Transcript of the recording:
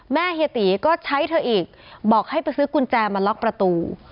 เฮียตีก็ใช้เธออีกบอกให้ไปซื้อกุญแจมาล็อกประตู